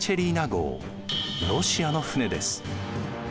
ロシアの船です。